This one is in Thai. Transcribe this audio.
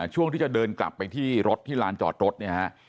ช่วงที่จะเดินกลับไปที่รถที่ลานจอดรถเนี่ยฮะ